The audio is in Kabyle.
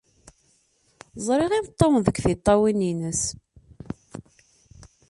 Ẓriɣ imeṭṭawen deg tiṭṭawin-nnes.